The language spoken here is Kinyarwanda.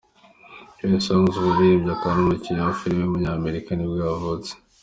Trey Songz, umuririmbyi akaba n’umukinnyi wa filime w’umunyamerika nibwo yavutse.